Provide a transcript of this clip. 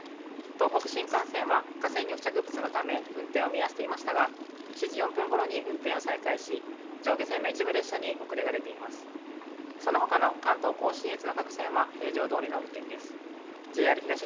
ＪＲ東日本の弘田さん、お願いし東北新幹線は、架線の付着物のため運転を見合わせていましたが、７時４分ごろに運転を再開し、上下線の一部列車に遅れが出ています。